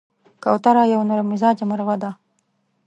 کوتره یو نرممزاجه مرغه ده.